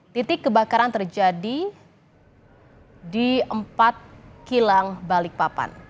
titik kebakaran terjadi di empat kilang balikpapan